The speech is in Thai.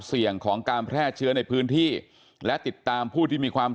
เสี่ยงของการแพร่เชื้อในพื้นที่และติดตามผู้ที่มีความ